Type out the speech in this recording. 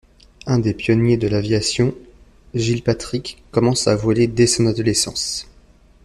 Un des pionniers de l'aviation, Gilpatric commence à voler dès son adolescence.